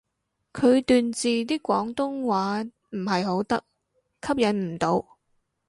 佢段字啲廣東話唔係好得，吸引唔到